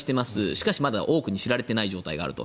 しかし、まだ多くに知られていない状態があると。